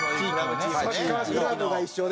サッカークラブが一緒で。